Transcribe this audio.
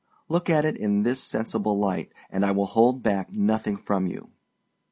Look at it in this sensible light, and I will hold back nothing from you.